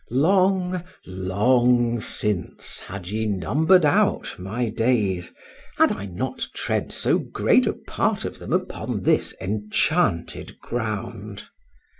—Long,—long since had ye number'd out my days, had I not trod so great a part of them upon this enchanted ground.